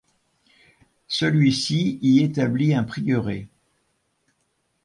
Celui-ci y établit un prieuré.